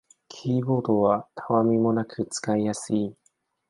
キーボードはたわみもなく使いやすい